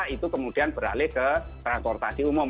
itu kemudian beralih ke transportasi umum